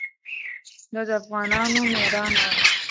دا د افغانانو مېړانه وه.